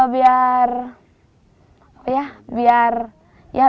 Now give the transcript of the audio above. biar apa kalau ada laptop